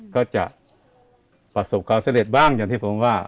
ก็จะประสบความสำเร็จบ้างอย่างที่ผมว่า